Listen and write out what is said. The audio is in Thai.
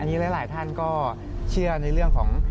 อันนี้หลายท่านก็เชื่อในเรื่องของ